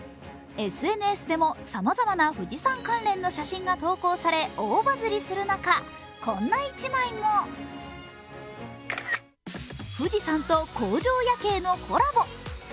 ＳＮＳでもさまざまな富士山関連の写真が投稿され大バズリする中こんな１枚も富士山と工場夜景のコラボ。